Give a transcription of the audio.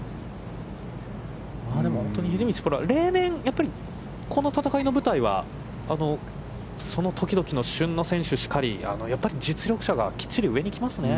秀道プロ、例年、この戦いの舞台はその時々の旬の選手しかり、やっぱり実力者がきっちり上に来ますね。